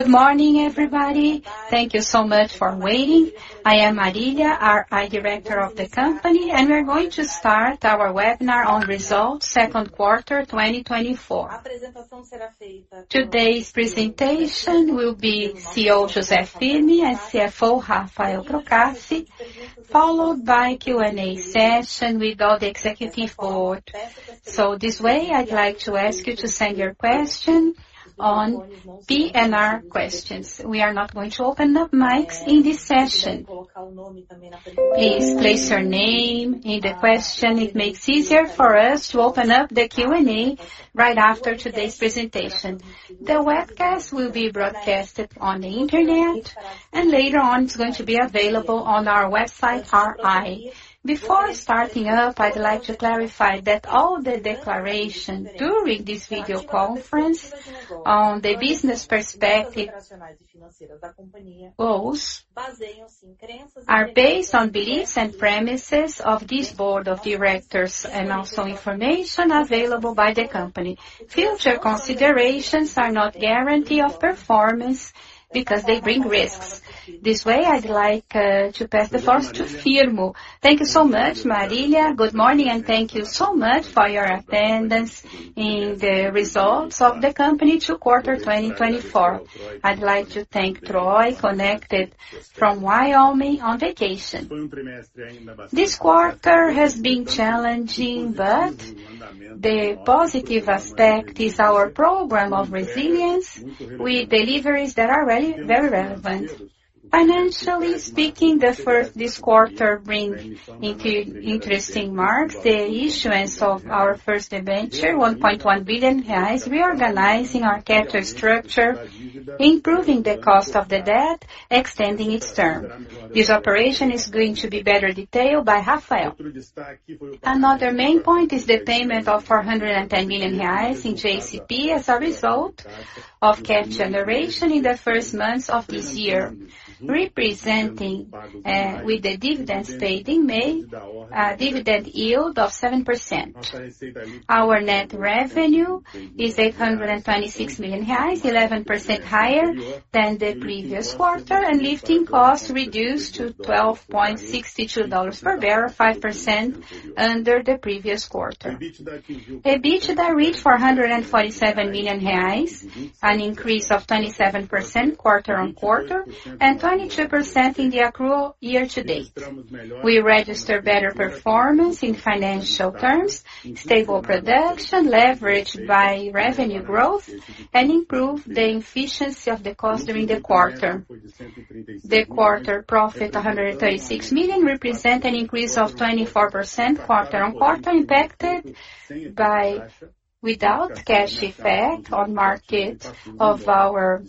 ...Good morning, everybody. Thank you so much for waiting. I am Marília, RI Director of the company, and we are going to start our webinar on results second quarter 2024. Today's presentation will be CEO José Firmo and CFO Rafael Procaci, followed by Q&A session with all the executive board. So this way, I'd like to ask you to send your question on IR questions. We are not going to open up mics in this session. Please place your name in the question. It makes easier for us to open up the Q&A right after today's presentation. The webcast will be broadcasted on the internet, and later on, it's going to be available on our website, RI. Before starting up, I'd like to clarify that all the declaration during this video conference on the business perspective goals, are based on beliefs and premises of this board of directors and also information available by the company. Future considerations are not guarantee of performance because they bring risks. This way, I'd like to pass the floor to Firmo. Thank you so much, Marília. Good morning, and thank you so much for your attendance in the results of the company second quarter 2024. I'd like to thank Troy, connected from Wyoming on vacation. This quarter has been challenging, but the positive aspect is our program of resilience with deliveries that are really very relevant. Financially speaking, this quarter bring into interesting marks, the issuance of our first debenture, 1.1 billion reais, reorganizing our capital structure, improving the cost of the debt, extending its term. This operation is going to be better detailed by Rafael. Another main point is the payment of 410 million reais in JCP as a result of cash generation in the first months of this year, representing, with the dividend paid in May, a dividend yield of 7%. Our net revenue is 826 million reais, 11% higher than the previous quarter, and lifting costs reduced to $12.62 per barrel, 5% under the previous quarter. EBITDA reached 447 million reais, an increase of 27% quarter-on-quarter and 22% in the accrual year to date. We register better performance in financial terms, stable production, leveraged by revenue growth, and improve the efficiency of the cost during the quarter. The quarter profit, 136 million, represent an increase of 24% quarter-on-quarter, impacted by, without cash effect on market of our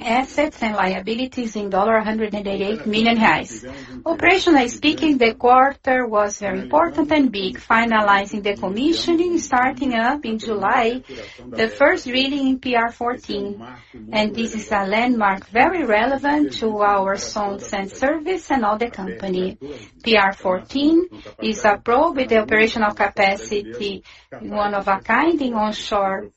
assets and liabilities in dollar, 188 million reais. Operationally speaking, the quarter was very important and big, finalizing the commissioning, starting up in July, the first rig in PR-14, and this is a landmark very relevant to our zones and service and all the company. PR-14 is a probe with the operational capacity, one of a kind in onshore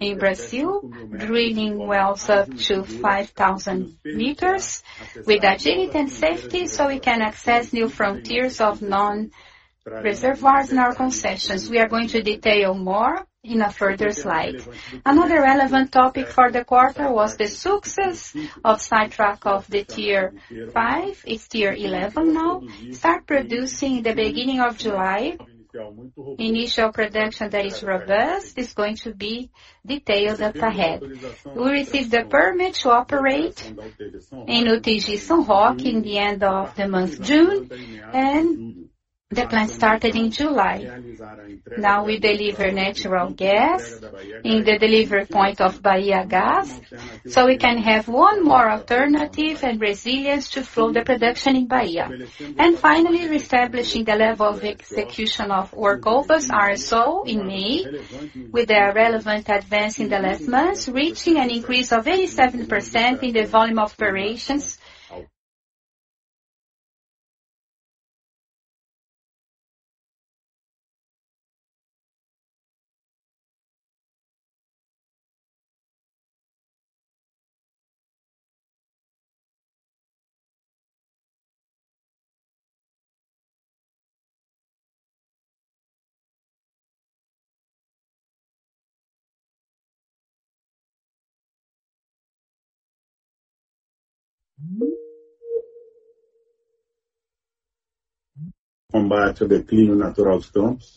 in Brazil, drilling wells up to 5,000 meters with agility and safety, so we can access new frontiers of non-reservoirs in our concessions. We are going to detail more in a further slide. Another relevant topic for the quarter was the success of sidetrack of the TA-5, it's TA-11 now, start producing the beginning of July. Initial production that is robust is going to be detailed up ahead. We received the permit to operate in UTG São Roque at the end of the month June, and the plan started in July. Now, we deliver natural gas in the delivery point of Bahiagás, so we can have one more alternative and resilience to flow the production in Bahia. Finally, reestablishing the level of execution of workovers RSO in May, with a relevant advance in the last months, reaching an increase of 87% in the volume of operations. ...... allocation focus on the robustness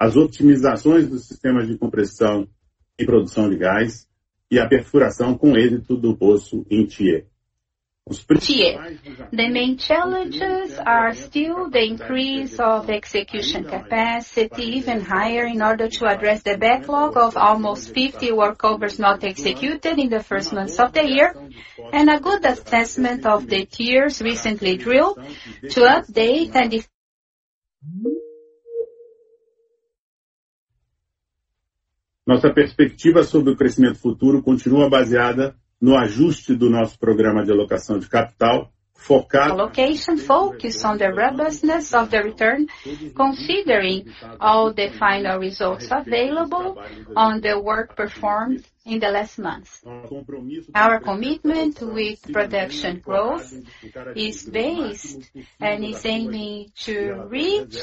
of the return, considering all the final results available on the work performed in the last month. Our commitment with production growth is based and is aiming to reach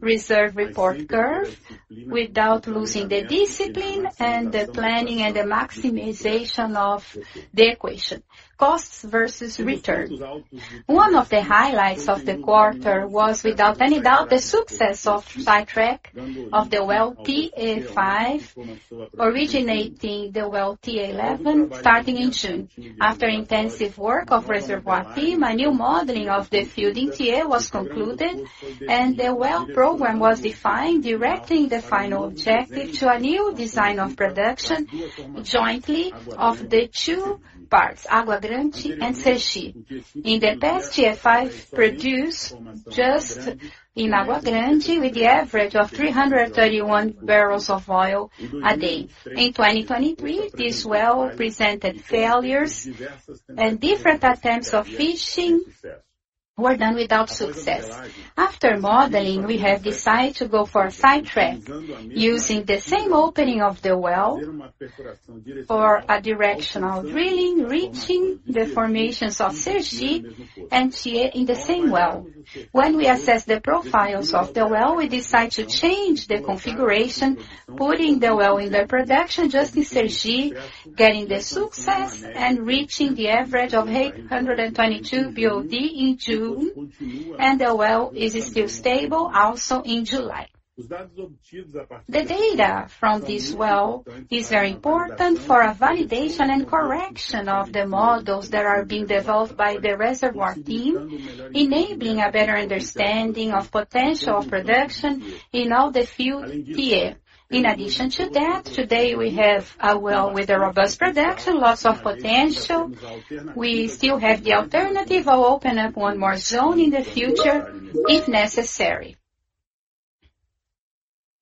reserve report curve without losing the discipline and the planning, and the maximization of the equation, costs versus return. One of the highlights of the quarter was, without any doubt, the success of sidetrack of the well TA-5, originating the well TA-11, starting in June. After intensive work of reservoir team, a new modeling of the field in TA was concluded, and the well program was defined, directing the final objective to a new design of production, jointly of the two parts, Água Grande and Sergi. In the past, TA-5 produced just in Água Grande, with the average of 331 barrels of oil a day. In 2023, this well presented failures, and different attempts of fishing were done without success. After modeling, we have decided to go for sidetrack, using the same opening of the well for a directional drilling, reaching the formations of Sergi and TA in the same well. When we assessed the profiles of the well, we decided to change the configuration, putting the well in the production just in Sergi, getting the success and reaching the average of 822 BOD in June, and the well is still stable, also in July. The data from this well is very important for a validation and correction of the models that are being developed by the reservoir team, enabling a better understanding of potential production in all the field TA. In addition to that, today we have a well with a robust production, lots of potential. We still have the alternative of opening up one more zone in the future, if necessary.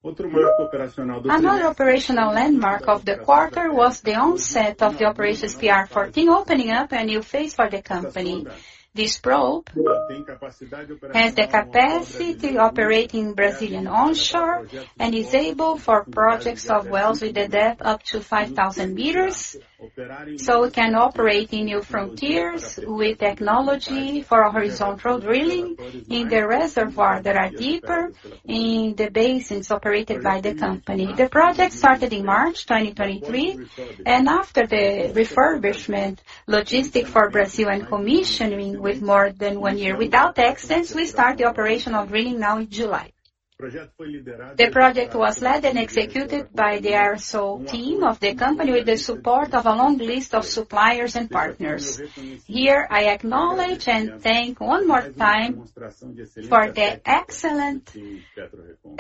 Another operational landmark of the quarter was the onset of the operations PR-14, opening up a new phase for the company. This probe has the capacity to operate in Brazilian onshore, and is able for projects of wells with a depth up to 5,000 meters, so it can operate in new frontiers with technology for horizontal drilling in the reservoir that are deeper in the basins operated by the company. The project started in March 2023, and after the refurbishment, logistics for Brazil and commissioning with more than one year without accidents, we start the operation of drilling now in July. The project was led and executed by the RSO team of the company, with the support of a long list of suppliers and partners. Here, I acknowledge and thank one more time for the excellent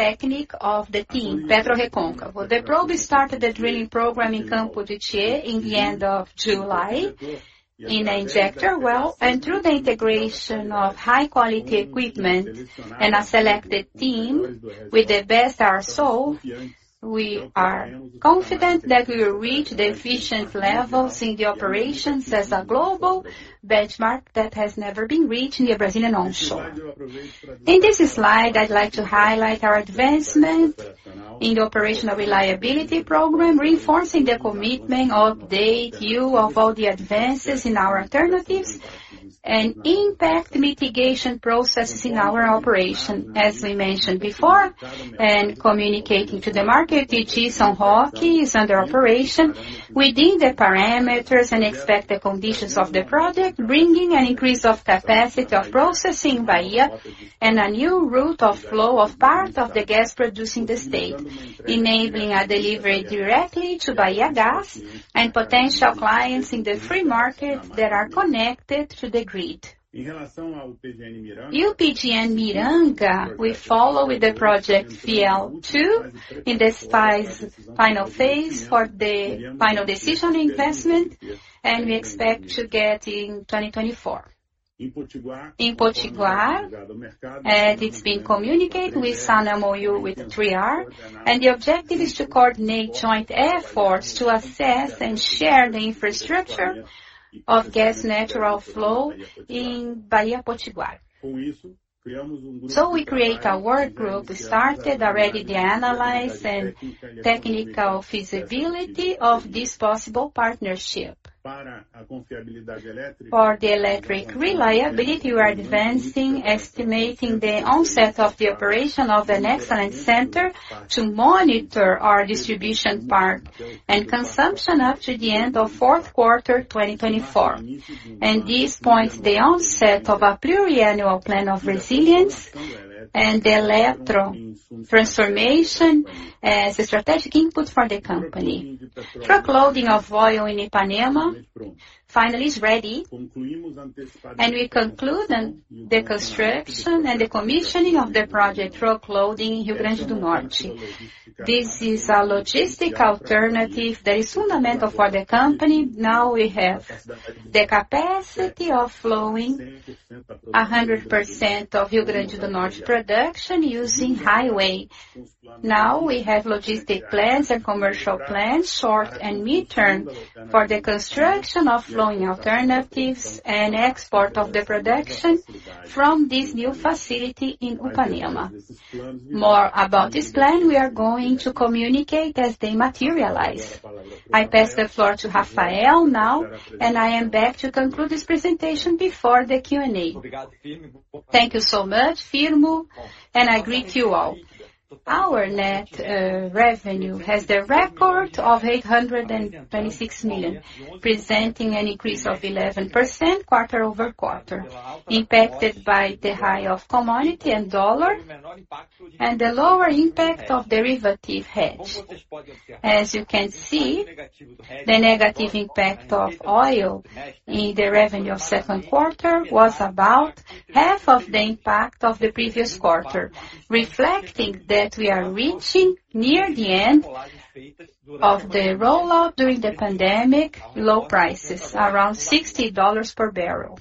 technique of the team, PetroRecôncavo. The probe started the drilling program in Campo de Tiê, in the end of July, in an injector well, and through the integration of high quality equipment and a selected team with the best RSO, we are confident that we will reach the efficient levels in the operations as a global benchmark that has never been reached in the Brazilian onshore. In this slide, I'd like to highlight our advancement in the operational reliability program, reinforcing the commitment of the view of all the advances in our alternatives and impact mitigation processes in our operation. As we mentioned before, and communicating to the market, the UTG São Roque is under operation within the parameters and expected conditions of the project, bringing an increase of capacity of processing in Bahia and a new route of flow of part of the gas produced in the state, enabling a delivery directly to Bahiagás and potential clients in the free market that are connected to the grid. UPGN Miranga, we follow with the project PL two in this phase, final phase for the final decision investment, and we expect to get in 2024. In Potiguar, as it's been communicated, we signed a MoU with 3R, and the objective is to coordinate joint efforts to assess and share the infrastructure of natural gas flow in Bahia-Potiguar. So we create a work group, started already the analysis and technical feasibility of this possible partnership. For the electric reliability, we are advancing, estimating the onset of the operation of an excellent center to monitor our distribution park and consumption up to the end of fourth quarter 2024, and this points the onset of a pluriannual plan of resilience, and the electro transformation as a strategic input for the company. Truck loading of oil in Ipanema finally is ready, and we conclude on the construction and the commissioning of the project truck loading in Rio Grande do Norte. This is a logistic alternative that is fundamental for the company. Now we have the capacity of flowing 100% of Rio Grande do Norte production using highway. Now we have logistic plans and commercial plans, short and mid-term, for the construction of flowing alternatives and export of the production from this new facility in Ipanema. More about this plan, we are going to communicate as they materialize. I pass the floor to Rafael now, and I am back to conclude this presentation before the Q&A. Thank you so much, Firmo, and I greet you all. Our net revenue has the record of 826 million, presenting an increase of 11% quarter-over-quarter, impacted by the high of commodity and dollar, and the lower impact of derivative hedge. As you can see, the negative impact of oil in the revenue of second quarter was about half of the impact of the previous quarter, reflecting that we are reaching near the end of the rollout during the pandemic, low prices, around $60 per barrel.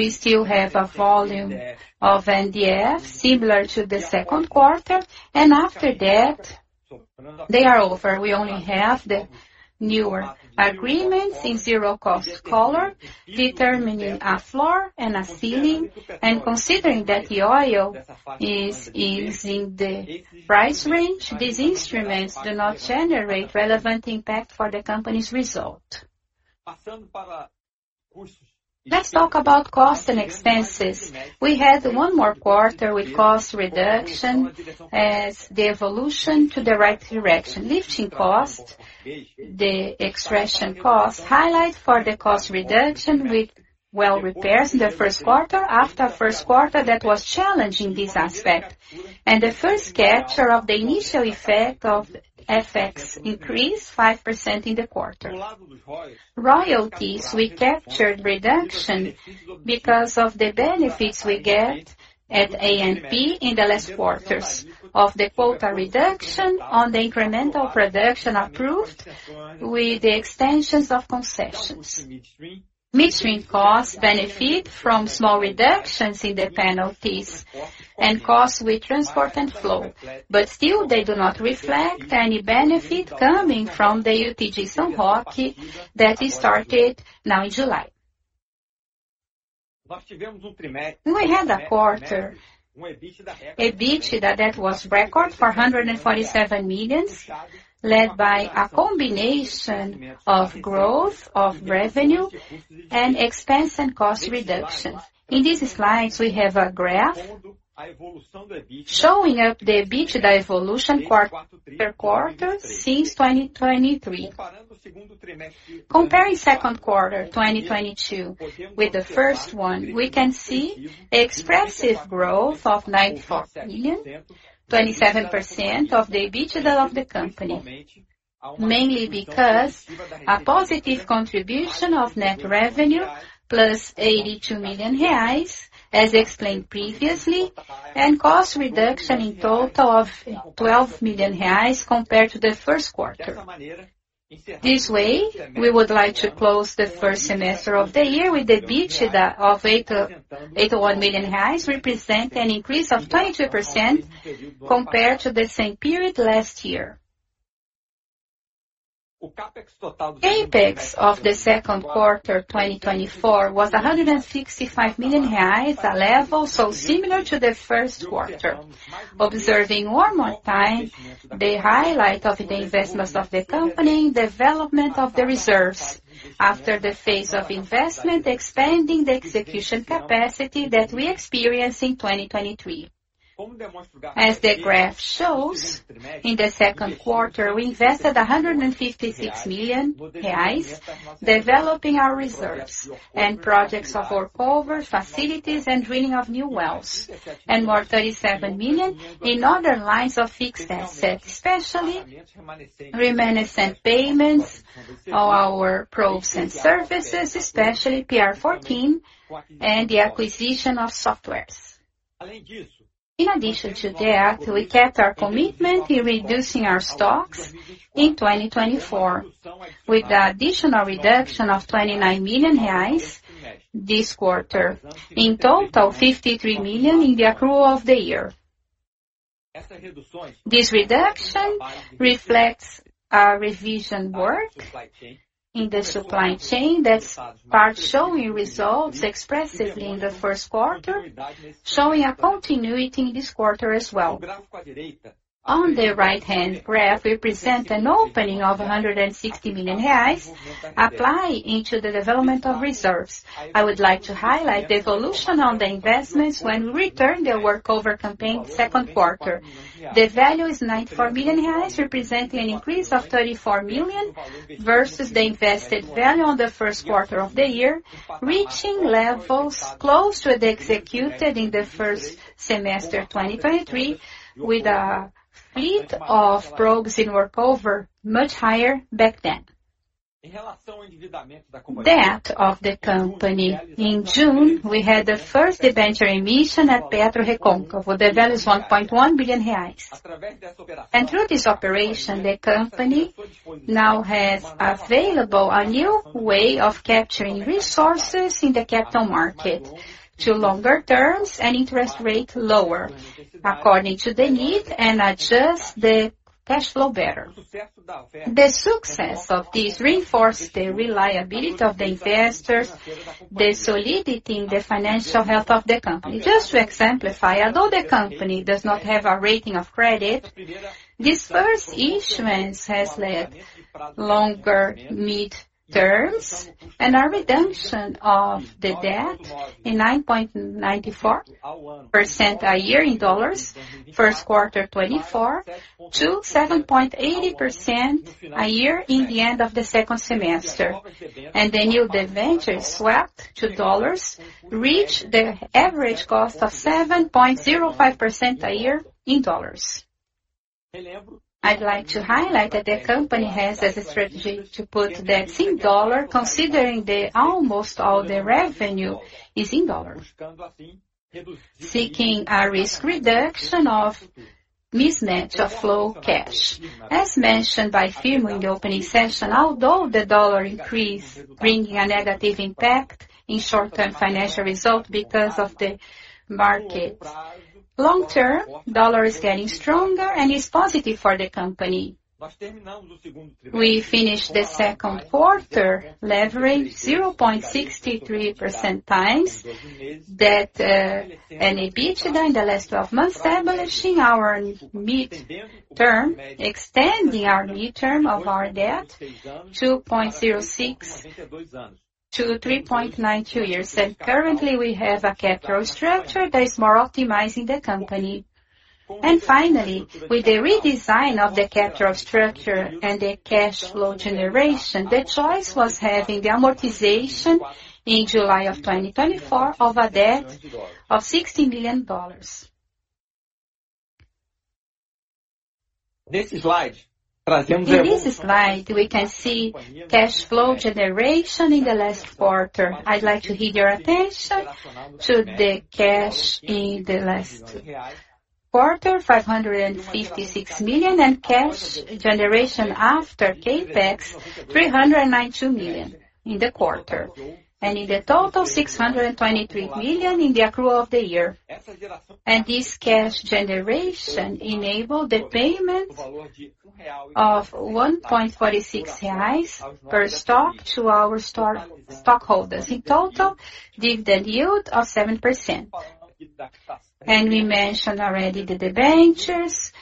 We still have a volume of NDF, similar to the second quarter, and after that, they are over. We only have the newer agreements in zero cost collar, determining a floor and a ceiling. Considering that the oil is in the price range, these instruments do not generate relevant impact for the company's result. Let's talk about cost and expenses. We had one more quarter with cost reduction as the evolution to the right direction, lifting costs, the extraction costs, highlight for the cost reduction with well repairs in the first quarter, after a first quarter that was challenging this aspect, and the first quarter of the initial effect of FX increase 5% in the quarter. Royalties, we captured reduction because of the benefits we get at ANP in the last quarters, of the quota reduction on the incremental production approved with the extensions of concessions. Midstream costs benefit from small reductions in the penalties and costs with transport and flow, but still they do not reflect any benefit coming from the UTG São Roque that started now in July. We had a quarter, EBITDA that was record for 147 million, led by a combination of growth of revenue and expense and cost reductions. In these slides, we have a graph showing up the EBITDA evolution quarter by quarter since 2023. Comparing second quarter 2022 with the first one, we can see expressive growth of 94 million, 27% of the EBITDA of the company. Mainly because a positive contribution of net revenue, plus 82 million reais, as explained previously, and cost reduction in total of 12 million reais compared to the first quarter. This way, we would like to close the first semester of the year with EBITDA of 81 million reais, represent an increase of 22% compared to the same period last year. CapEx of the second quarter, 2024, was 165 million reais, a level so similar to the first quarter. Observing one more time, the highlight of the investments of the company, development of the reserves after the phase of investment, expanding the execution capacity that we experienced in 2023. As the graph shows, in the second quarter, we invested 156 million reais, developing our reserves and projects of workover, facilities, and drilling of new wells, and more 37 million in other lines of fixed assets, especially remaining payments of our probes and services, especially PR-14 and the acquisition of software. In addition to that, we kept our commitment in reducing our stocks in 2024, with the additional reduction of 29 million reais this quarter. In total, 53 million in the accrual of the year. This reduction reflects a revision work in the supply chain, that's part showing results expressively in the first quarter, showing a continuity in this quarter as well. On the right-hand graph, we present an opening of 160 million reais, applying into the development of reserves. I would like to highlight the evolution on the investments when we return the workover campaign second quarter. The value is 94 million reais, representing an increase of 34 million versus the invested value on the first quarter of the year, reaching levels close to the executed in the first semester 2023, with fleet of probes in workover, much higher back then. That of the company, in June, we had the first debenture emission at PetroRecôncavo. The value is 1.1 billion reais. And through this operation, the company now has available a new way of capturing resources in the capital market to longer terms and interest rate lower, according to the need, and adjust the cash flow better. The success of this reinforced the reliability of the investors, the solidity in the financial health of the company. Just to exemplify, although the company does not have a rating of credit, this first issuance has led longer mid-terms and a redemption of the debt in 9.94%-7.80% a year in dollars, first quarter 2024, to the end of the second semester. And the new debentures swapped to dollars, reach the average cost of 7.05% a year in dollars. I'd like to highlight that the company has as a strategy to put debts in dollars, considering almost all the revenue is in dollars, seeking a risk reduction of mismatch of cash flow. As mentioned by Firmo in the opening session, although the dollar increase, bringing a negative impact in short-term financial result because of the market, long-term, dollar is getting stronger and is positive for the company. We finished the second quarter, leverage 0.63% times that, an EBITDA in the last twelve months, establishing our mid-term, extending our mid-term of our debt to 0.06-3.92 years. Currently, we have a capital structure that is more optimizing the company. Finally, with the redesign of the capital structure and the cash flow generation, the choice was having the amortization in July 2024 of a debt of $60 million. In this slide, we can see cash flow generation in the last quarter. I'd like to heed your attention to the cash in the last quarter, 556 million, and cash generation after CapEx, 392 million in the quarter, and in the total, 623 million in the accrual of the year. This cash generation enabled the payment of 1.46 reais per stock to our stockholders. In total, dividend yield of 7%. We mentioned already the debentures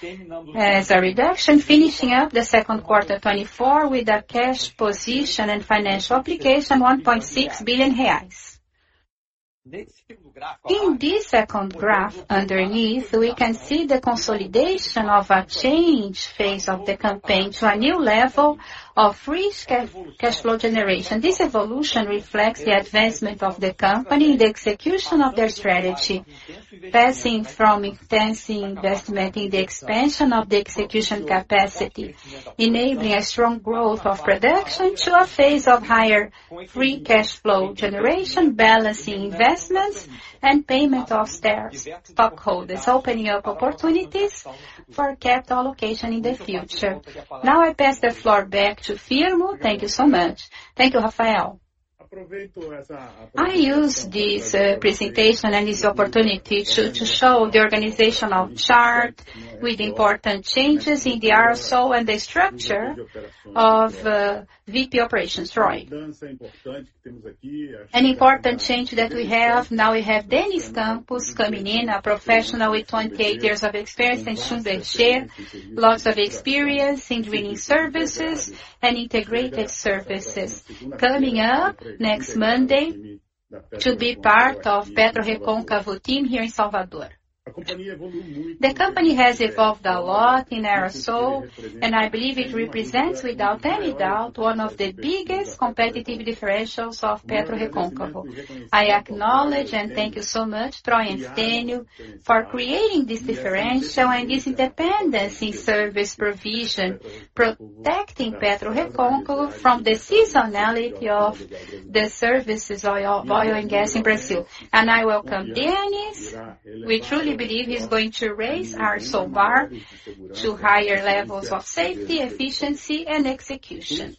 as a reduction, finishing up the second quarter 2024, with a cash position and financial application, 1.6 billion reais. In this second graph, underneath, we can see the consolidation of a change phase of the campaign to a new level of free cash flow generation. This evolution reflects the advancement of the company in the execution of their strategy, passing from extensive investment in the expansion of the execution capacity, enabling a strong growth of production to a phase of higher free cash flow generation, balancing investments and payment of stockholders, opening up opportunities for capital allocation in the future. Now, I pass the floor back to Firmo. Thank you so much. Thank you, Rafael. I use this presentation and this opportunity to show the organizational chart with important changes in the RSO and the structure of VP Operations, Troy. An important change that we have, now we have Denis Campos coming in, a professional with 28 years of experience in Schlumberger. Lots of experience in drilling services and integrated services. Coming up next Monday to be part of PetroRecôncavo team here in Salvador. The company has evolved a lot in RSO, and I believe it represents, without any doubt, one of the biggest competitive differentials of PetroRecôncavo. I acknowledge and thank you so much, Troy and Stênio, for creating this differential and this independence in service provision, protecting PetroRecôncavo from the seasonality of the services oil, oil and gas in Brazil. And I welcome Denis. We truly believe he's going to raise our bar to higher levels of safety, efficiency and execution.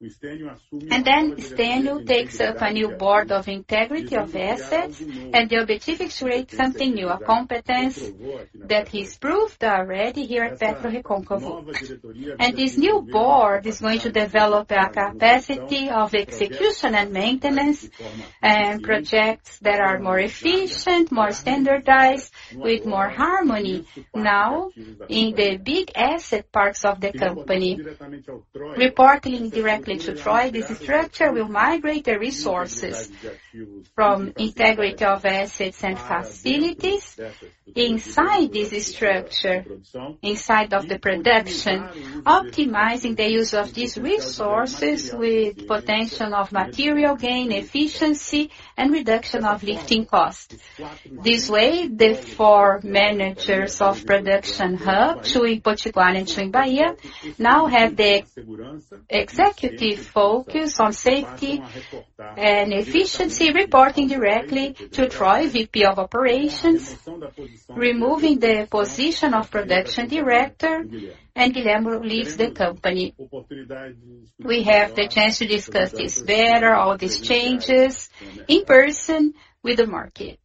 And then Stênio takes up a new board of integrity of assets, and the objective is to create something new, a competence that he's proved already here at PetroRecôncavo. And this new board is going to develop a capacity of execution and maintenance, and projects that are more efficient-... more standardized, with more harmony now in the big asset parts of the company. Reporting directly to Troy, this structure will migrate the resources from integrity of assets and facilities inside this structure, inside of the production, optimizing the use of these resources with potential of material gain, efficiency, and reduction of lifting costs. This way, the four managers of production hub, two in Potiguar and two in Bahia, now have the executive focus on safety and efficiency, reporting directly to Troy, VP of Operations, removing the position of production director, and Guilherme leaves the company. We have the chance to discuss this better, all these changes, in person with the market.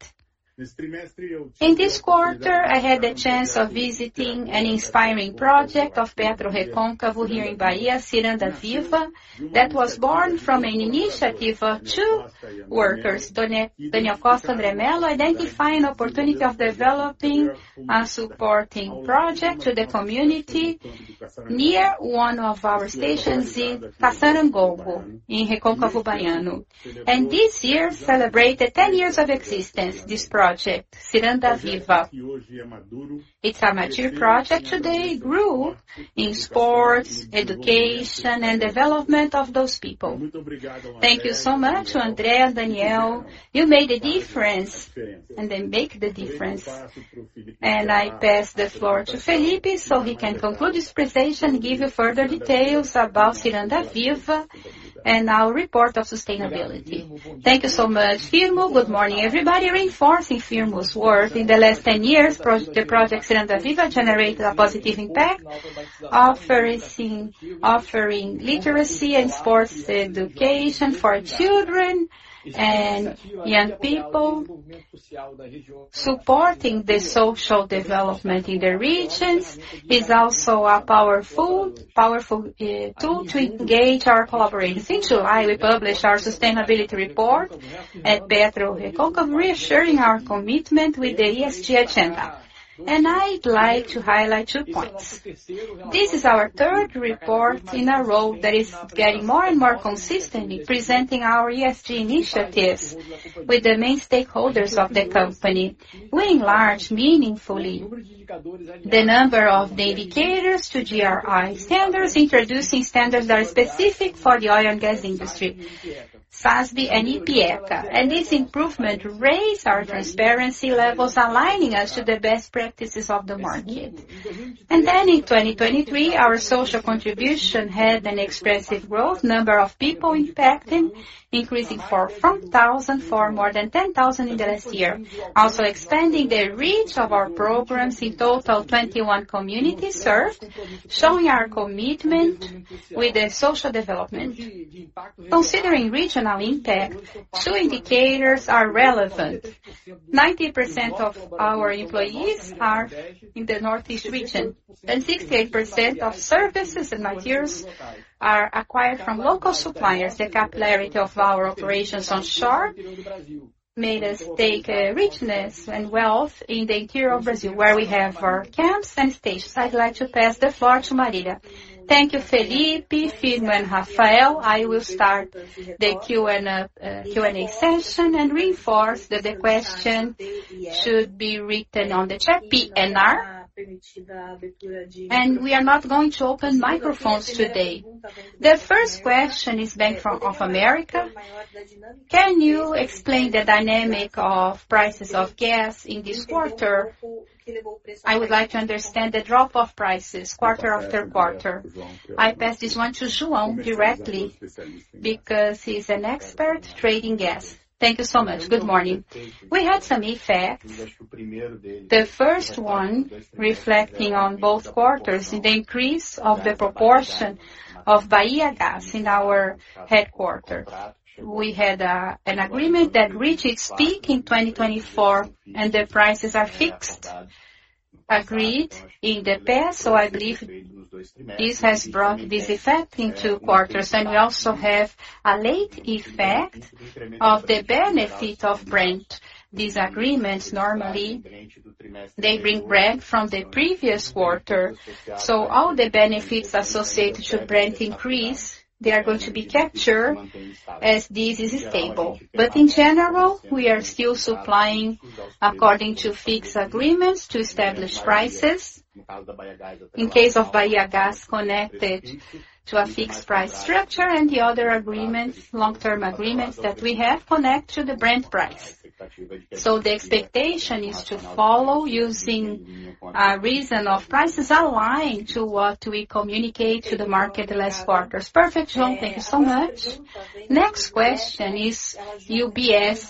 In this quarter, I had the chance of visiting an inspiring project of PetroRecôncavo here in Bahia, Ciranda Viva, that was born from an initiative of two workers, Daniel Costa and André Mello, identifying an opportunity of developing and supporting project to the community near one of our stations in Cassarongongo, in Recôncavo Baiano. This year celebrated 10 years of existence, this project, Ciranda Viva. It's a mature project, today grew in sports, education, and development of those people. Thank you so much, André and Daniel, you made a difference, and they make the difference. I pass the floor to Felipe, so he can conclude this presentation and give you further details about Ciranda Viva and our report of sustainability. Thank you so much, Firmo. Good morning, everybody. Reinforcing Firmo's work, in the last 10 years, the Project Ciranda Viva generated a positive impact, offering literacy and sports education for children and young people, supporting the social development in the regions, is also a powerful tool to engage our collaborators. In July, we published our sustainability report at PetroRecôncavo, reassuring our commitment with the ESG agenda. I'd like to highlight two points: This is our third report in a row that is getting more and more consistent in presenting our ESG initiatives with the main stakeholders of the company. We enlarge meaningfully the number of the indicators to GRI standards, introducing standards that are specific for the oil and gas industry, SASB and IPIECA. This improvement raises our transparency levels, aligning us to the best practices of the market. In 2023, our social contribution had an expressive growth, number of people impacted, increasing from 1,000 to more than 10,000 in the last year. Also expanding the reach of our programs, in total, 21 communities served, showing our commitment with the social development. Considering regional impact, two indicators are relevant. 90% of our employees are in the Northeast region, and 68% of services and materials are acquired from local suppliers. The capillarity of our operations on shore made us take, richness and wealth in the interior of Brazil, where we have our camps and stations. I'd like to pass the floor to Marília. Thank you, Felipe, Firmo, and Rafael. I will start the Q&A session and reinforce that the question should be written on the chat, please. We are not going to open microphones today. The first question is Bank of America: Can you explain the dynamic of prices of gas in this quarter? I would like to understand the drop of prices quarter after quarter. I pass this one to João directly, because he's an expert trading gas. Thank you so much. Good morning. We had some effect, the first one reflecting on both quarters, the increase of the proportion of Bahia gas in our headquarters. We had an agreement that reached its peak in 2024, and the prices are fixed, agreed in the past, so I believe this has brought this effect in two quarters. And we also have a late effect of the benefit of Brent. These agreements, normally, they bring Brent from the previous quarter, so all the benefits associated to Brent increase, they are going to be captured as this is stable. But in general, we are still supplying according to fixed agreements, to established prices. In case of Bahiagás, connected to a fixed price structure, and the other agreements, long-term agreements, that we have connected to the Brent price. So the expectation is to follow using a reason of prices aligned to what we communicate to the market the last quarters. Perfect, João. Thank you so much. Next question is UBS,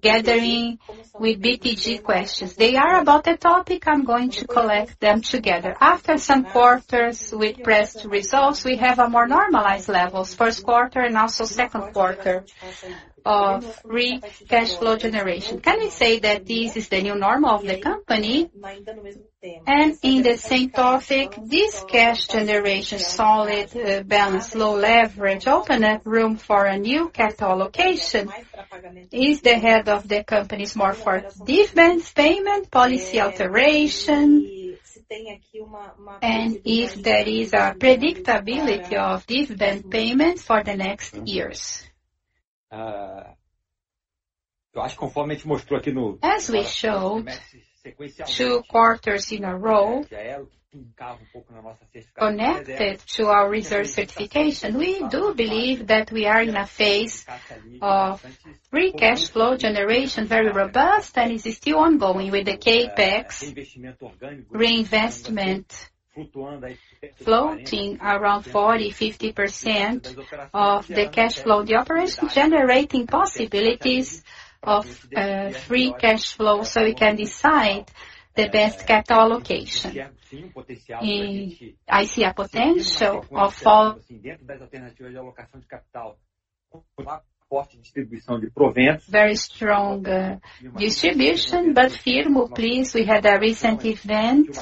gathering with BTG questions. They are about the topic, I'm going to collect them together. After some quarters with pressed results, we have a more normalized levels, first quarter and also second quarter of free cash flow generation. Can we say that this is the new normal of the company? And in the same topic, this cash generation, solid, balance, low leverage, open up room for a new capital allocation. Is the head of the companies more for dividends, payment, policy alteration, and if there is a predictability of dividend payments for the next years? I think, as we showed, two quarters in a row, connected to our resource certification, we do believe that we are in a phase of free cash flow generation, very robust, and is still ongoing with the CapEx reinvestment floating around 40%-50% of the cash flow, the operation generating possibilities of free cash flow, so we can decide the best capital allocation. And I see a potential of all- Very strong distribution. But Firmo, please, we had a recent event,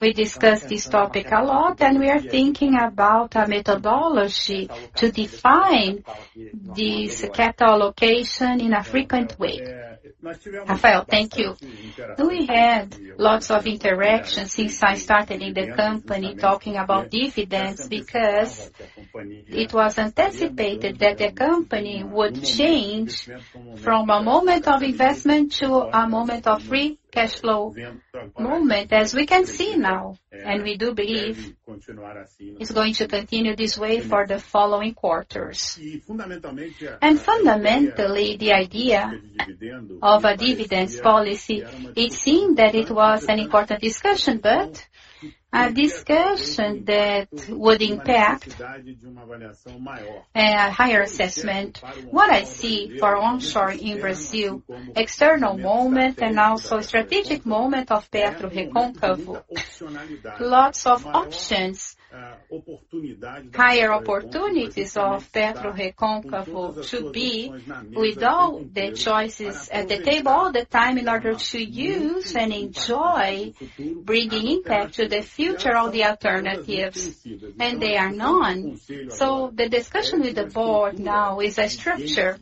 we discussed this topic a lot, and we are thinking about a methodology to define this capital allocation in a frequent way. Rafael, thank you. We had lots of interactions since I started in the company talking about dividends, because it was anticipated that the company would change from a moment of investment to a moment of free cash flow moment, as we can see now, and we do believe it's going to continue this way for the following quarters. Fundamentally, the idea of a dividends policy, it seemed that it was an important discussion, but a discussion that would impact a higher assessment. What I see for onshore in Brazil, external moment and also strategic moment of PetroRecôncavo. Lots of options, higher opportunities of PetroRecôncavo to be with all the choices at the table all the time in order to use and enjoy bringing impact to the future of the alternatives, and they are none. So the discussion with the board now is a structure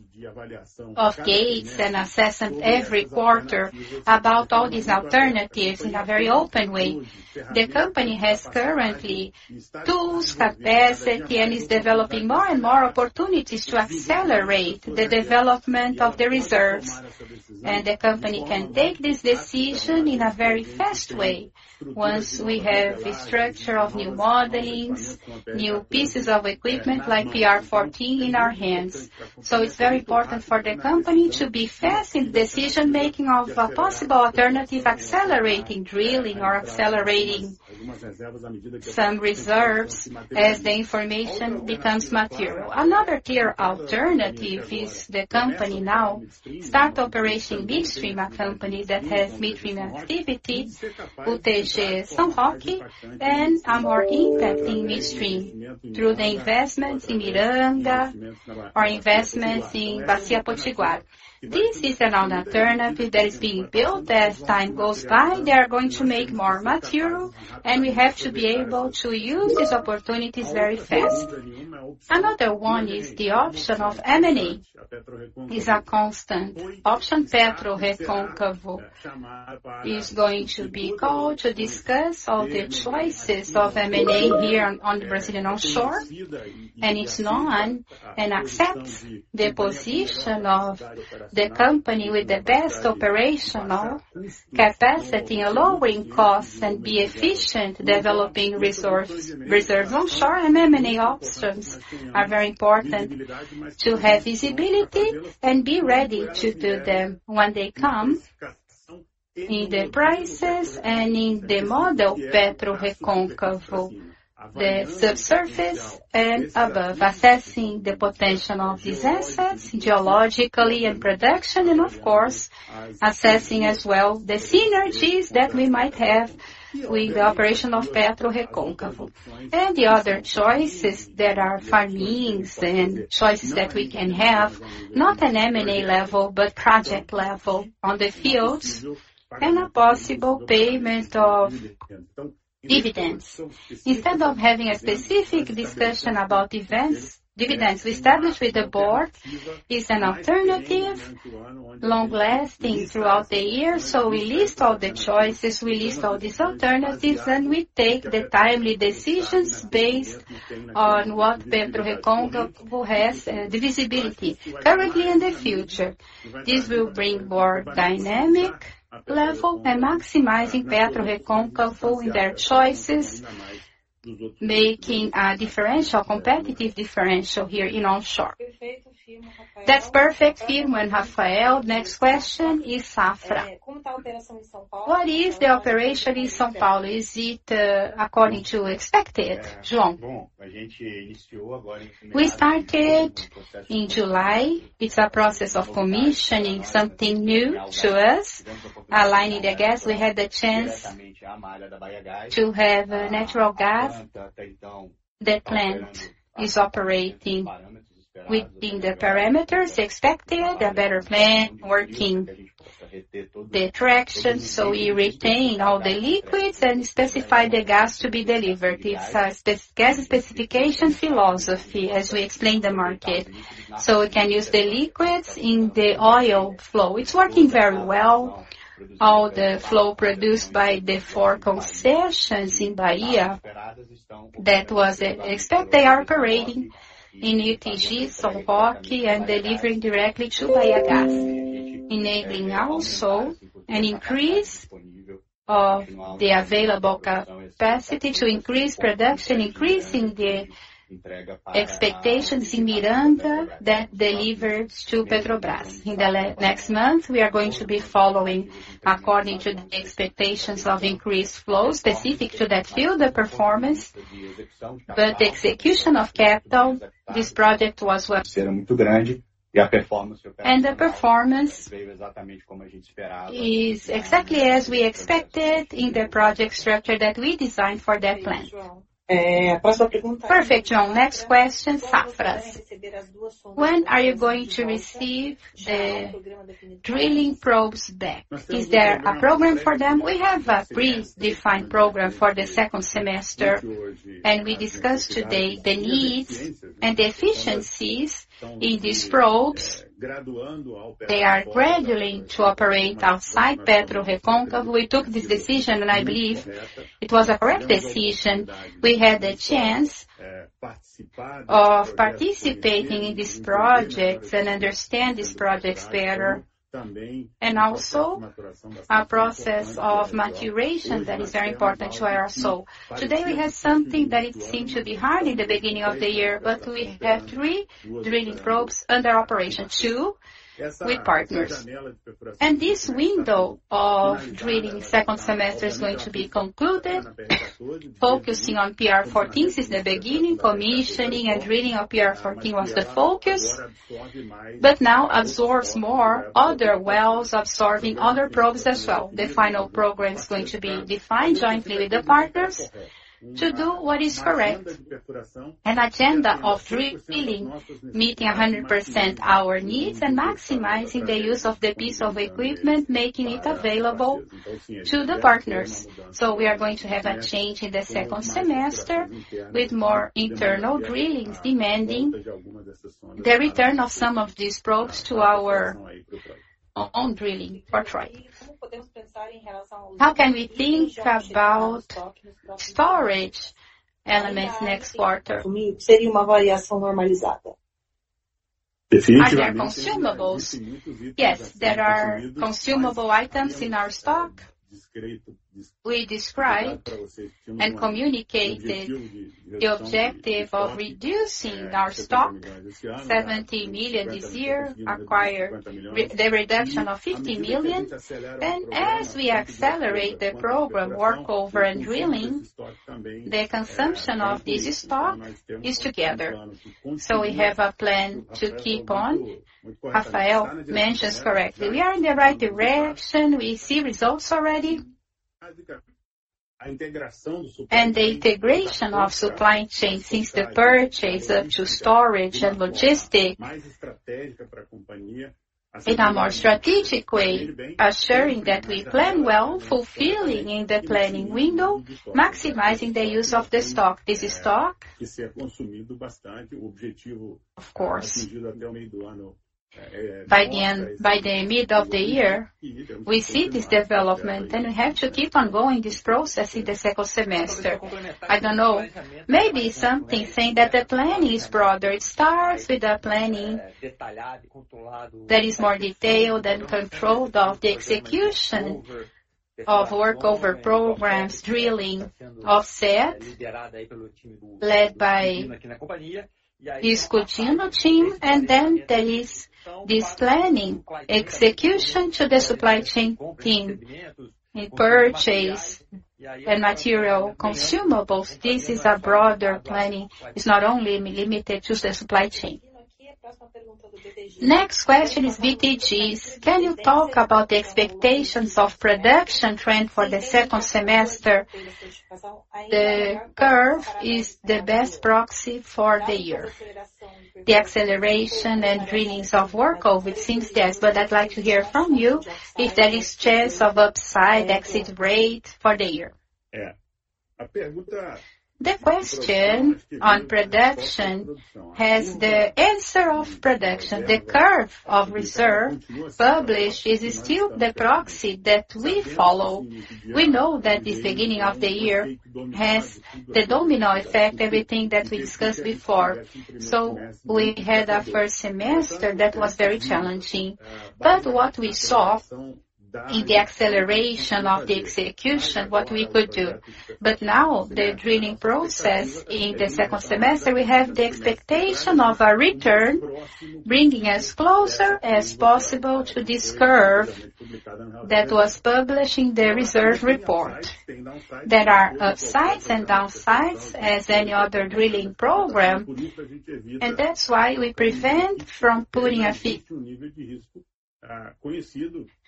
of gates and assessment every quarter about all these alternatives in a very open way. The company has currently tools, capacity, and is developing more and more opportunities to accelerate the development of the reserves. The company can take this decision in a very fast way, once we have the structure of new modelings, new pieces of equipment like PR-14 in our hands. So it's very important for the company to be fast in decision-making of a possible alternative, accelerating, drilling or accelerating some reserves as the information becomes material. Another clear alternative is the company now start operating midstream, a company that has midstream activity, UTG São Roque, and a more impact in midstream through the investments in Miranga or investments in Bacia Potiguar. This is another alternative that is being built. As time goes by, they are going to make more material, and we have to be able to use these opportunities very fast. Another one is the option of M&A, is a constant option. PetroRecôncavo is going to be called to discuss all the choices of M&A here on the Brazilian offshore, and it's known and accepts the position of the company with the best operational capacity in lowering costs and be efficient, developing resource, reserves onshore and M&A options are very important to have visibility and be ready to do them when they come. In the prices and in the model, PetroRecôncavo, the subsurface and above, assessing the potential of these assets geologically and production, and of course, assessing as well the synergies that we might have with the operation of PetroRecôncavo. The other choices that are farm-ins and choices that we can have, not an M&A level, but project level on the fields, and a possible payment of dividends. Instead of having a specific discussion about events, dividends, we establish with the board, is an alternative, long-lasting throughout the year. So we list all the choices, we list all these alternatives, and we take the timely decisions based on what PetroRecôncavo has, the visibility currently and the future. This will bring more dynamic level and maximizing PetroRecôncavo in their choices, making a differential, competitive differential here in offshore. That's perfect, Firmo and Rafael. Next question is Safra: "What is the operation in São Paulo? Is it according to expected?" João? We started in July. It's a process of commissioning something new to us. Aligning the gas, we had the chance to have natural gas. The plant is operating within the parameters expected, a better plan, working the traction, so we retain all the liquids and specify the gas to be delivered. It's a spec- gas specification philosophy, as we explained the market. So we can use the liquids in the oil flow. It's working very well. All the flow produced by the four concessions in Bahia. That was expected. They are operating in UTG São Roque, and delivering directly to Bahiagás, enabling also an increase of the available capacity to increase production, increasing the expectations in Miranga that delivers to Petrobras. In the next month, we are going to be following according to the expectations of increased flow specific to that field, the performance. But the execution of capital, this project was well. The performance is exactly as we expected in the project structure that we designed for that plant. Perfect, João. Next question, Safra: When are you going to receive the drilling probes back? Is there a program for them? We have a pre-defined program for the second semester, and we discussed today the needs and the efficiencies in these probes. They are gradually to operate outside PetroRecôncavo. We took this decision, and I believe it was a correct decision. We had the chance of participating in these projects and understand these projects better, and also a process of maturation that is very important to our soul. Today, we have something that it seemed to be hard in the beginning of the year, but we have three drilling probes under operation, two with partners. This window of drilling second semester is going to be concluded, focusing on PR-14. Since the beginning, commissioning and drilling of PR-14 was the focus, but now absorbs more other wells, absorbing other probes as well. The final program is going to be defined jointly with the partners to do what is correct. An agenda of drilling, meeting 100% our needs and maximizing the use of the piece of equipment, making it available to the partners. So we are going to have a change in the second semester, with more internal drillings, demanding the return of some of these probes to our own drilling activity. How can we think about storage elements next quarter? Are there consumables? Yes, there are consumable items in our stock. We described and communicated the objective of reducing our stock 70 million this year, achieve with the reduction of 50 million. As we accelerate the program, work over and drilling, the consumption of this stock is together. So we have a plan to keep on. Rafael mentions correctly, we are in the right direction. We see results already. The integration of supply chain since the purchase up to storage and logistics, in a more strategic way, assuring that we plan well, fulfilling in the planning window, maximizing the use of the stock. This stock, of course, by the end, by the mid of the year, we see this development, and we have to keep on going this process in the second semester. I don't know, maybe something saying that the planning is broader. It starts with a planning that is more detailed and controlled of the execution of work over programs, drilling, offset, led by this Coutinho team. And then there is this planning, execution to the supply chain team. In purchase and material consumables, this is a broader planning; it's not only limited to the supply chain. Next question is BTGs: Can you talk about the expectations of production trend for the second semester? The curve is the best proxy for the year. The acceleration and drillings of workover, it seems yes, but I'd like to hear from you if there is chance of upside exit rate for the year. The question on production has the answer of production. The curve of reserve published is still the proxy that we follow. We know that this beginning of the year has the domino effect, everything that we discussed before. So we had a first semester that was very challenging, but what we saw in the acceleration of the execution, what we could do. But now, the drilling process in the second semester, we have the expectation of a return, bringing us closer as possible to this curve that was published in the reserve report. There are upsides and downsides, as any other drilling program, and that's why we prevent from putting a fixed known to us,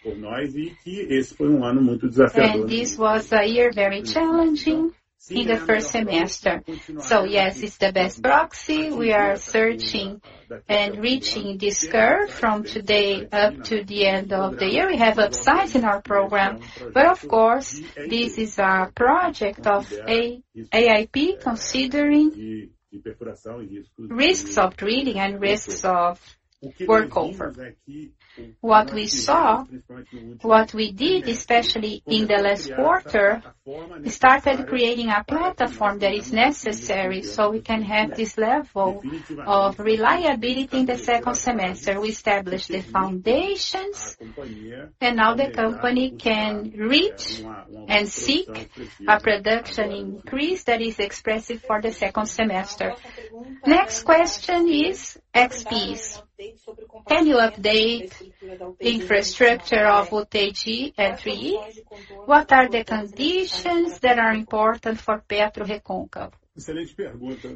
and that this was a year very challenging in the first semester. So yes, it's the best proxy. We are searching and reaching this curve from today up to the end of the year. We have upsides in our program, but of course, this is a project of a AIP considering risks of drilling and risks of workover. What we saw, what we did, especially in the last quarter, we started creating a platform that is necessary, so we can have this level of reliability in the second semester. We established the foundations, and now the company can reach and seek a production increase that is expressive for the second semester. Next question is XP's. Can you update the infrastructure of UTG and 3R? What are the conditions that are important for PetroRecôncavo?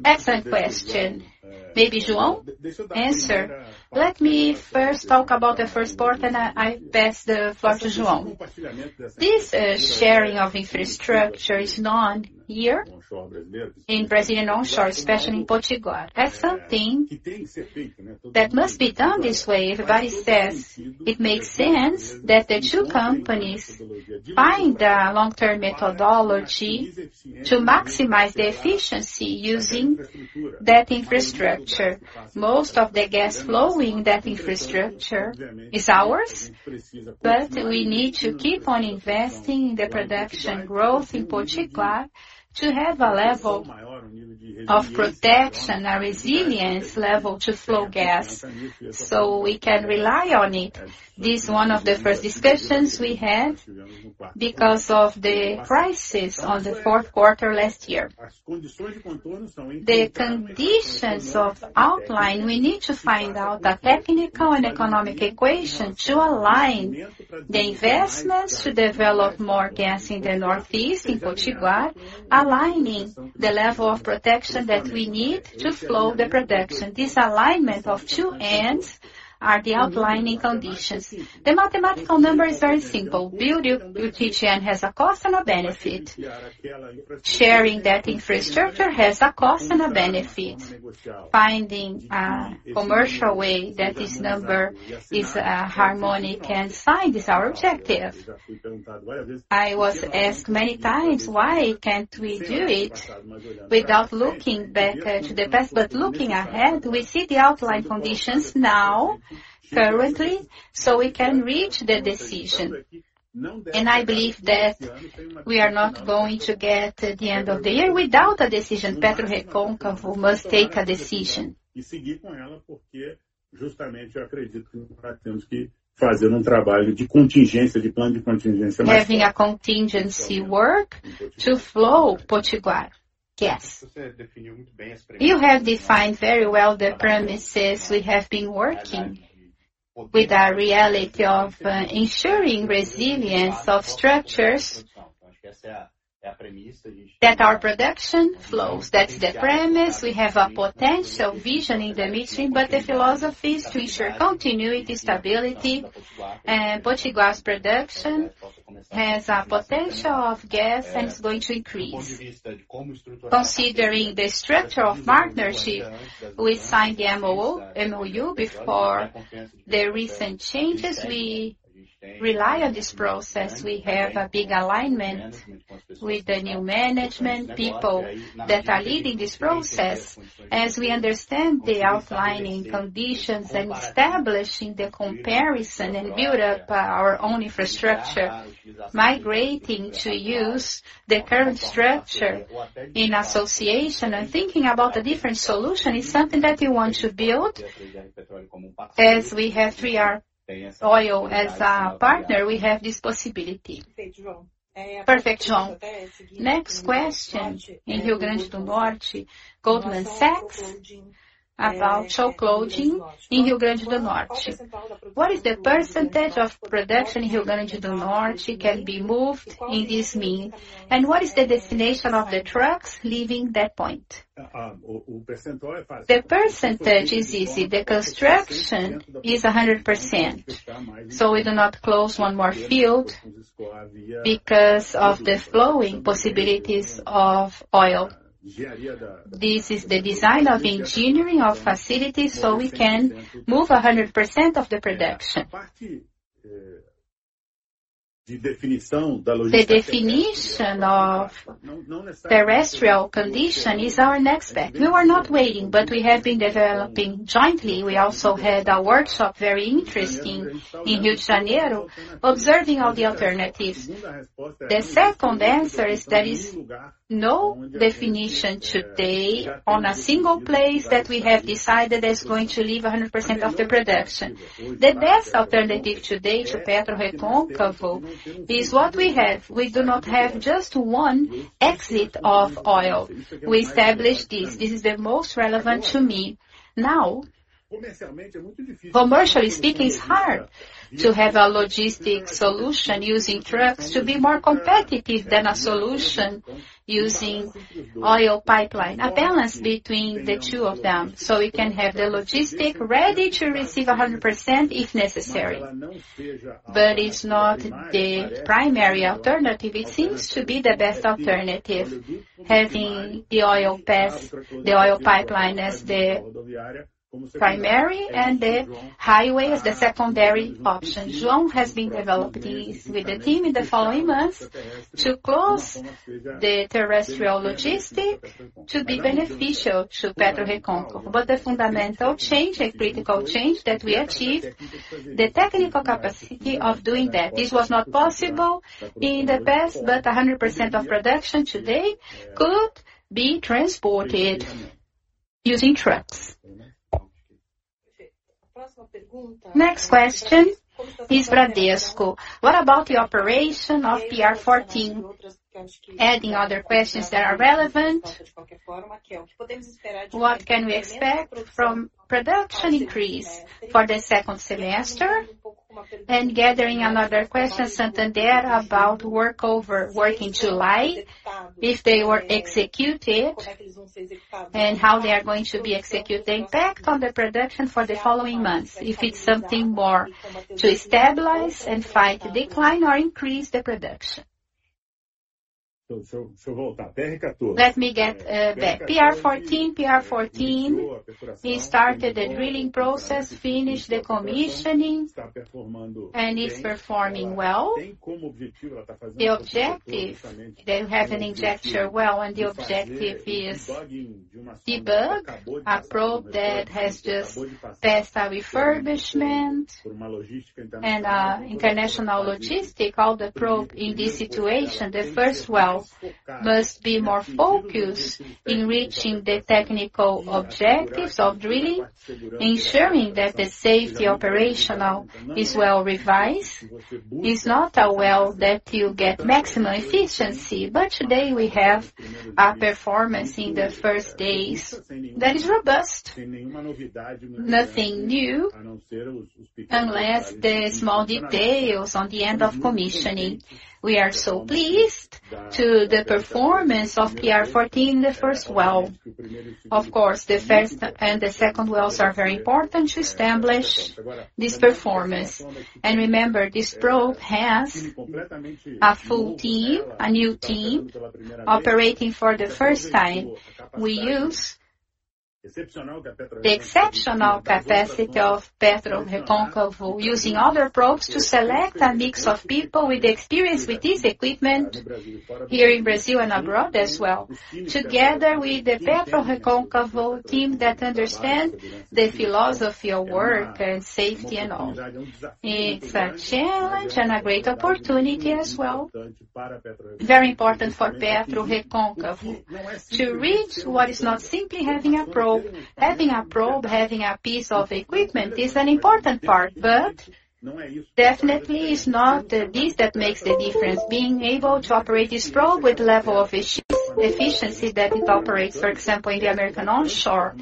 Excellent question. Maybe João answer. Let me first talk about the first part, and I, I pass the floor to João. This, sharing of infrastructure is not new in Brazilian onshore, especially in Potiguar. That's something that must be done this way. Everybody says, it makes sense that the two companies find a long-term methodology to maximize the efficiency using that infrastructure. Most of the gas flowing, that infrastructure is ours, but we need to keep on investing in the production growth in Potiguar to have a level of protection and resilience level to flow gas, so we can rely on it. This is one of the first discussions we had, because of the crisis on the fourth quarter last year. The conditions of outline, we need to find out a technical and economic equation to align the investments, to develop more gas in the Northeast, in Potiguar, aligning the level of protection that we need to flow the production. This alignment of two ends are the outlining conditions. The mathematical number is very simple. Build UTGN has a cost and a benefit. Sharing that infrastructure has a cost and a benefit. Finding a commercial way that this number is, harmonic and signed is our objective. I was asked many times, "Why can't we do it without looking back, to the past?" But looking ahead, we see the outline conditions now, currently, so we can reach the decision. I believe that we are not going to get to the end of the year without a decision. PetroRecôncavo must take a decision. Having a contingency work to flow Potiguar gas. You have defined very well the premises we have been working, with the reality of, ensuring resilience of structures, that our production flows. That's the premise. We have a potential vision in the midstream, but the philosophy is to ensure continuity, stability, and Potiguar's production has a potential of gas and is going to increase. Considering the structure of partnership, we signed the MoU, MoU before the recent changes. We rely on this process. We have a big alignment with the new management people that are leading this process, as we understand the outlining conditions and establishing the comparison and build up our own infrastructure. Migrating to use the current structure in association and thinking about a different solution is something that we want to build. As we have 3R Petroleum as our partner, we have this possibility. Perfect, João. Next question in Rio Grande do Norte, Goldman Sachs, about shut closing in Rio Grande do Norte. What is the percentage of production in Rio Grande do Norte can be moved in this mean, and what is the destination of the trucks leaving that point? The percentage is easy. The construction is 100%, so we do not close one more field because of the flowing possibilities of oil. This is the design of engineering of facilities, so we can move 100% of the production. The definition of terrestrial condition is our next step. We were not waiting, but we have been developing jointly. We also had a workshop, very interesting in Rio de Janeiro, observing all the alternatives. The second answer is, there is no definition today on a single place that we have decided that's going to leave 100% of the production. The best alternative today to PetroRecôncavo is what we have. We do not have just one exit of oil. We established this. This is the most relevant to me. Now, commercially speaking, it's hard to have a logistic solution using trucks to be more competitive than a solution using oil pipeline, a balance between the two of them, so we can have the logistic ready to receive 100%, if necessary. But it's not the primary alternative. It seems to be the best alternative, having the oil pass, the oil pipeline as the primary and the highway as the secondary option. João has been developing this with the team in the following months, to close the terrestrial logistic to be beneficial to PetroRecôncavo. But the fundamental change, a critical change that we achieved, the technical capacity of doing that. This was not possible in the past, but 100% of production today could be transported using trucks... Next question is Bradesco. What about the operation of PR-14? Adding other questions that are relevant, what can we expect from production increase for the second semester? And gathering another question, Santander, about workover, work in July, if they were executed, and how they are going to be executed, the impact on the production for the following months, if it's something more to stabilize and fight decline or increase the production. So, so, so let me get back. PR-14. PR-14, we started the drilling process, finished the commissioning, and it's performing well. The objective, they have an injector well, and the objective is debug, a probe that has just passed a refurbishment and international logistics. All the probe in this situation, the first well, must be more focused in reaching the technical objectives of drilling, ensuring that the safety operational is well revised. It's not a well that you get maximum efficiency, but today we have a performance in the first days that is robust. Nothing new, unless the small details on the end of commissioning. We are so pleased to the performance of PR-14, the first well. Of course, the first and the second wells are very important to establish this performance. And remember, this probe has a full team, a new team, operating for the first time. We use the exceptional capacity of PetroRecôncavo, using other probes to select a mix of people with experience with this equipment here in Brazil and abroad as well. Together with the PetroRecôncavo team that understand the philosophy of work and safety and all. It's a challenge and a great opportunity as well. Very important for PetroRecôncavo to reach what is not simply having a probe. Having a probe, having a piece of equipment is an important part, but definitely it's not this that makes the difference. Being able to operate this probe with level of efficiency that it operates, for example, in the American onshore,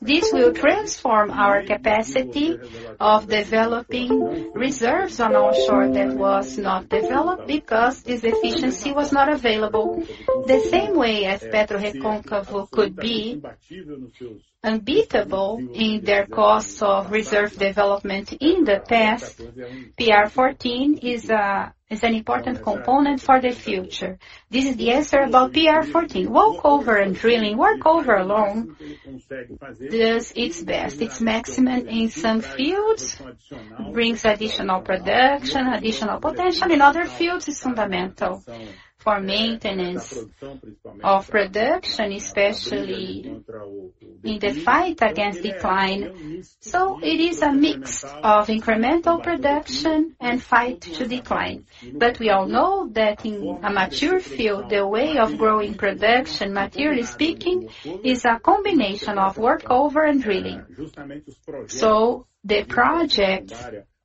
this will transform our capacity of developing reserves on onshore that was not developed because this efficiency was not available. The same way as PetroRecôncavo could be unbeatable in their cost of reserve development in the past, PR-14 is an important component for the future. This is the answer about PR-14. Workover and drilling. Workover alone does its best. Its maximum in some fields, brings additional production, additional potential. In other fields, it's fundamental for maintenance of production, especially in the fight against decline. So it is a mix of incremental production and fight to decline. But we all know that in a mature field, the way of growing production, materially speaking, is a combination of workover and drilling. So the project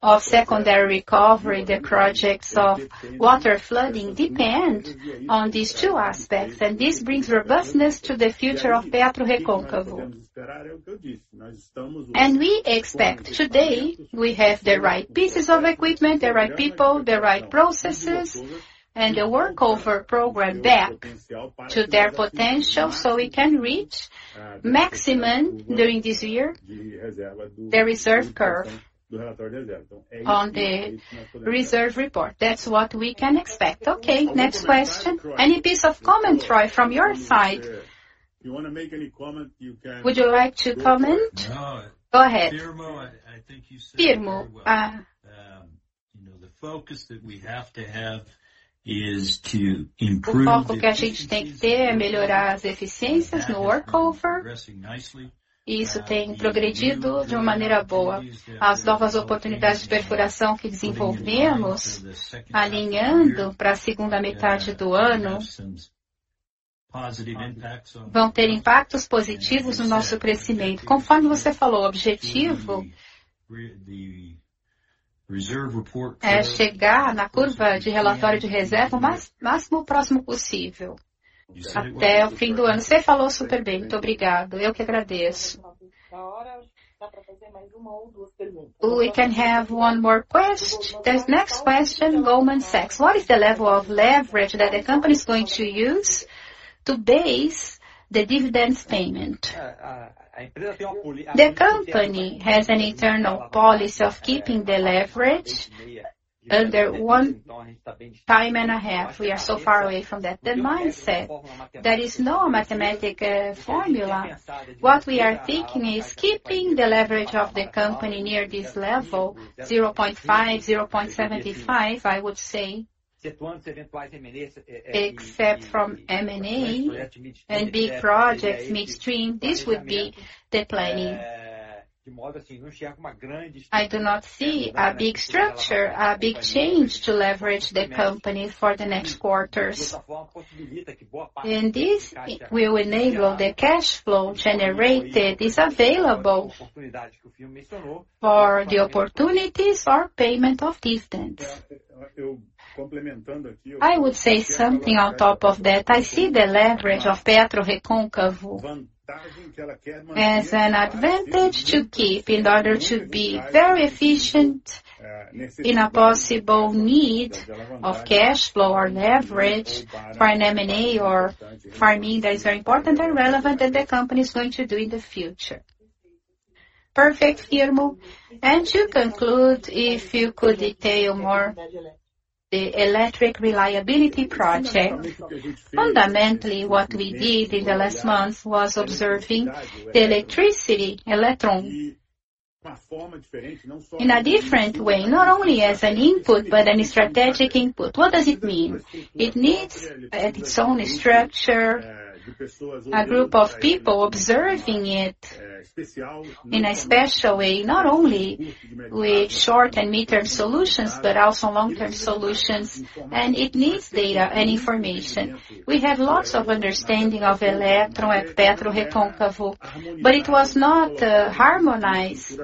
of secondary recovery, the projects of water flooding, depend on these two aspects, and this brings robustness to the future of PetroRecôncavo. We expect today we have the right pieces of equipment, the right people, the right processes, and the workover program back to their potential, so we can reach maximum during this year, the reserve curve on the reserve report. That's what we can expect. Okay, next question. Any piece of comment, Troy, from your side? Would you want to make any comment, you can. Would you like to comment? No. Go ahead. Firmo, I think you said it very well. You know, the focus that we have to have is to improve the efficiencies in the workover. The new opportunities that we are putting in place for the second half of the year have some positive impacts on. As you said, the objective is to bring the reserve report curve as close to reality as possible by the end of the year. You said it super well. Thank you. We can have one more question. This next question, Goldman Sachs: What is the level of leverage that the company is going to use to base the dividends payment? The company has an internal policy of keeping the leverage under 1.5. We are so far away from that. The mindset, there is no mathematical formula. What we are thinking is keeping the leverage of the company near this level, 0.5, 0.75, I would say. Except from M&A and big projects, midstream, this would be the planning. I do not see a big structure, a big change to leverage the company for the next quarters. And this will enable the cash flow generated is available for the opportunities or payment of dividends. I would say something on top of that. I see the leverage of PetroRecôncavo as an advantage to keep in order to be very efficient in a possible need of cash flow or leverage for an M&A or farming that is very important and relevant, that the company is going to do in the future. Perfect, Firmo. To conclude, if you could detail more the electric reliability project? Fundamentally, what we did in the last months was observing the electricity electron in a different way, not only as an input, but an strategic input. What does it mean? It needs its own structure, a group of people observing it in a special way, not only with short and mid-term solutions, but also long-term solutions, and it needs data and information. We have lots of understanding of electron at PetroRecôncavo, but it was not harmonized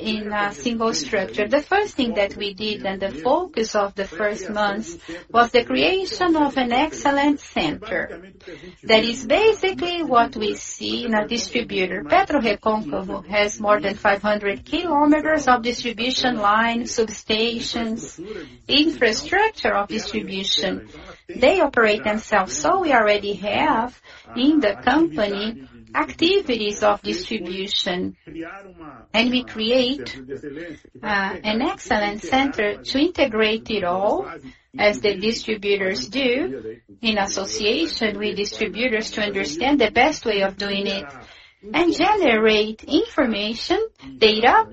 in a single structure. The first thing that we did, and the focus of the first months, was the creation of an excellent center. That is basically what we see in a distributor. PetroRecôncavo has more than 500 kilometers of distribution line, substations, infrastructure of distribution. They operate themselves, so we already have, in the company, activities of distribution, and we create an excellent center to integrate it all, as the distributors do, in association with distributors, to understand the best way of doing it and generate information, data,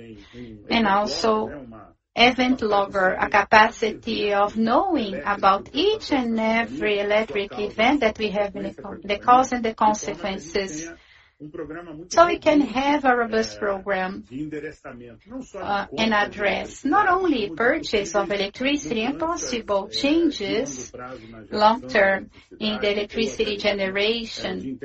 and also event logger, a capacity of knowing about each and every electric event that we have in the company, the cause and the consequences. So we can have a robust program and address, not only purchase of electricity and possible changes long-term in the electricity generation,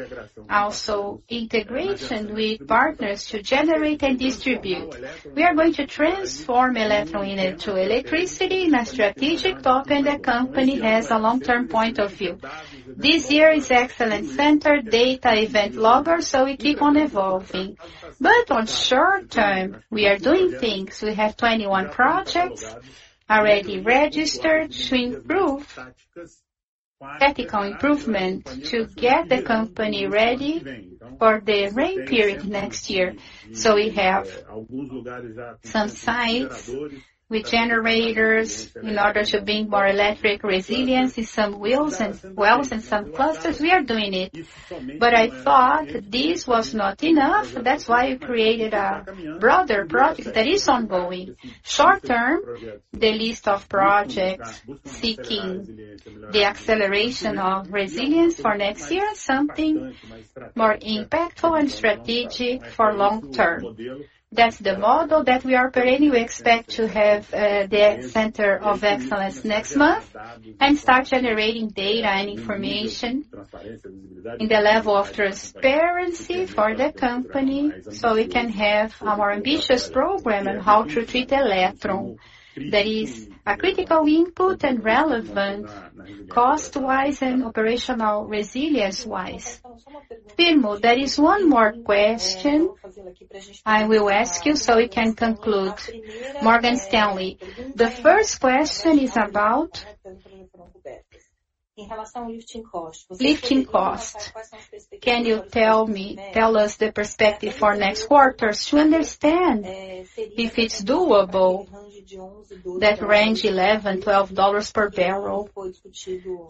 also integration with partners to generate and distribute. We are going to transform electron into electricity in a strategic topic, and the company has a long-term point of view. This year is excellent central data event logger, so we keep on evolving. But on short-term, we are doing things. We have 21 projects already registered to improve tactical improvement, to get the company ready for the rain period next year. So we have some sites with generators in order to bring more electric resilience in some fields and wells and some clusters. We are doing it, but I thought this was not enough. That's why we created a broader project that is ongoing. Short-term, the list of projects seeking the acceleration of resilience for next year, something more impactful and strategic for long-term. That's the model that we are operating. We expect to have the Center of Excellence next month and start generating data and information in the level of transparency for the company, so we can have a more ambitious program on how to treat electricity. That is a critical input and relevant cost-wise and operational resilience-wise. Firmo, there is one more question I will ask you, so we can conclude. Morgan Stanley, the first question is about lifting cost. Can you tell us the perspective for next quarters to understand if it's doable, that range $11-$12 per barrel,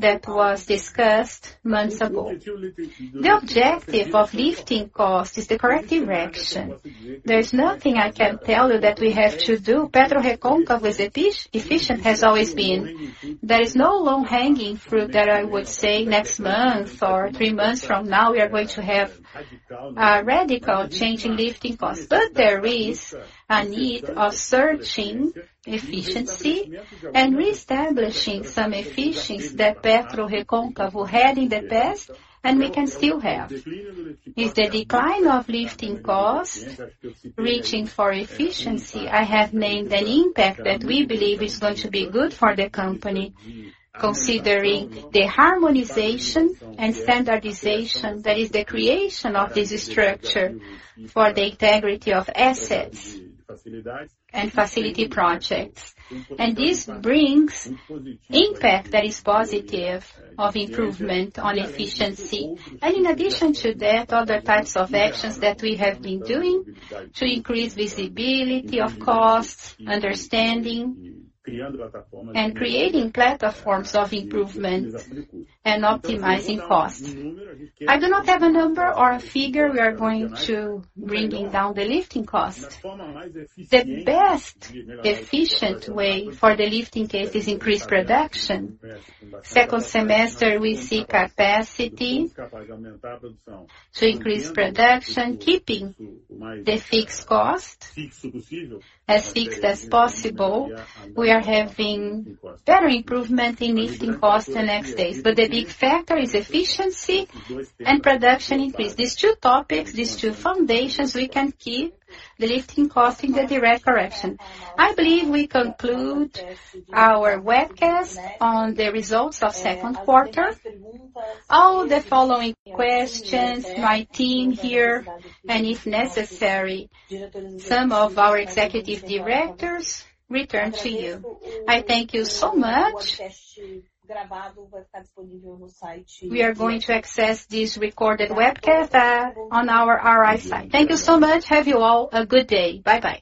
that was discussed months ago? The objective of lifting cost is the correct direction. There is nothing I can tell you that we have to do. PetroRecôncavo is efficient, has always been. There is no low-hanging fruit that I would say next month or three months from now, we are going to have a radical change in lifting costs. But there is a need of searching efficiency and reestablishing some efficiencies that PetroRecôncavo had in the past, and we can still have. It's the decline of lifting cost, reaching for efficiency. I have made an impact that we believe is going to be good for the company, considering the harmonization and standardization, that is the creation of this structure for the integrity of assets and facility projects. This brings impact that is positive of improvement on efficiency. In addition to that, other types of actions that we have been doing to increase visibility of costs, understanding, and creating platforms of improvement and optimizing cost. I do not have a number or a figure we are going to bringing down the lifting cost. The best efficient way for the lifting cost is increased production. Second semester, we see capacity to increase production, keeping the fixed cost as fixed as possible. We are having better improvement in lifting costs the next days, but the big factor is efficiency and production increase. These two topics, these two foundations, we can keep the lifting cost in the direct correction. I believe we conclude our webcast on the results of second quarter. All the following questions, my team here, and if necessary, some of our executive directors return to you. I thank you so much. We are going to access this recorded webcast on our RI site. Thank you so much. Have you all a good day. Bye-bye.